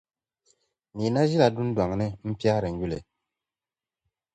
Neena ʒila dundɔŋ ni n-piɛhiri nyuli